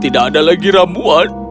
tidak ada lagi ramuan